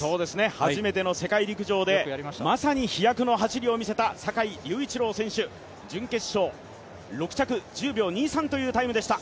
初めての世界陸上でまさに飛躍の走りを見せた坂井隆一郎選手、準決勝、６着１０秒２３というタイムでした。